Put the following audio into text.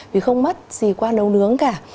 vì không mất gì qua nấu nướng cả